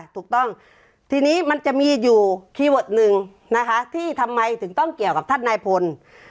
ถูกต้องทีนี้มันจะมีอยู่คีย์เวิร์ดหนึ่งนะคะที่ทำไมถึงต้องเกี่ยวกับท่านนายพล